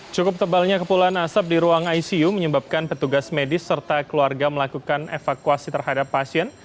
cukup tebalnya kepulan asap di ruang icu menyebabkan petugas medis serta keluarga melakukan evakuasi terhadap pasien